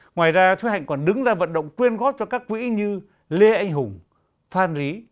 ngoài ra thúy hạnh còn đứng ra vận động quyên góp cho các quỹ như lê anh hùng phan rí